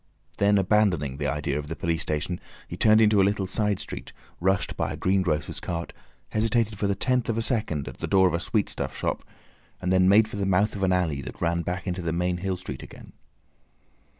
Then abandoning the idea of the police station he turned into a little side street, rushed by a greengrocer's cart, hesitated for the tenth of a second at the door of a sweetstuff shop, and then made for the mouth of an alley that ran back into the main Hill Street again.